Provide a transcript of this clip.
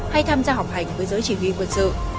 hay tham gia học hành với giới chỉ huy quân sự